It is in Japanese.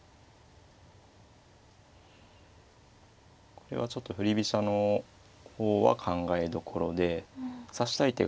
これはちょっと振り飛車の方は考えどころで指したい手がいっぱいあるんですよね。